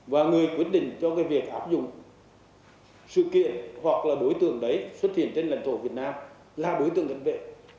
và người quyết định cho việc áp dụng sự kiện hoặc là đối tượng đấy xuất hiện trên lãnh thổ việt nam là đối tượng cảnh vệ